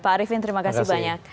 pak arifin terima kasih banyak